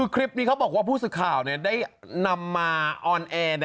คลิปนี้เขาบอกว่าผู้สื่อข่าวได้นำมาออนแอร์